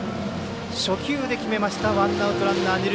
初球で決めましたワンアウト、ランナー、二塁。